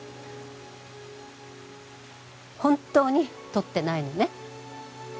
本当にとってないのね？